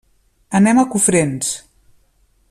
Anem a Cofrents.